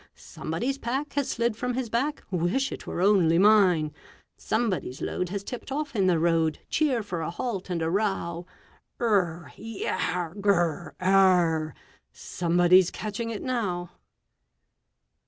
Somebody's pack has slid from his back, Wish it were only mine! Somebody's load has tipped off in the road Cheer for a halt and a row! Urrr! Yarrh! Grr! Arrh! Somebody's catching it now!